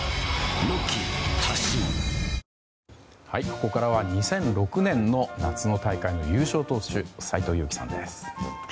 ここからは２００６年の夏の大会の優勝投手斎藤佑樹さんです。